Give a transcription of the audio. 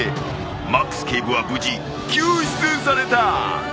マックス警部は無事救出された！